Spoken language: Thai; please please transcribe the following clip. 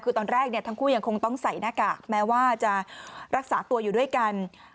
คือตอนแรกทั้งคู่ยังคงต้องใส่หน้ากากแม้ว่าจะรักษาตัวอยู่ด้วยกัน